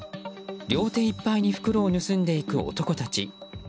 両手いっぱいに袋を盗んでいく男たち。